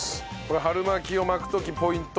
春巻きを巻く時ポイント。